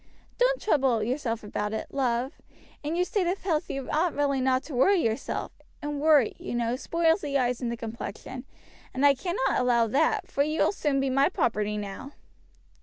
Don't trouble yourself about it, love; in your state of health you ought really not to worry yourself, and worry, you know, spoils the eyes and the complexion, and I cannot allow that, for you will soon be my property now."